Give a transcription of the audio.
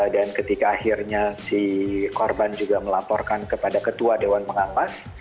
dan ketika akhirnya si korban juga melaporkan kepada ketua dewan pengawas